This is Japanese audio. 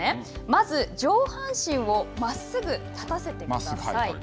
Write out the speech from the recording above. まず、上半身をまっすぐ立たせてください。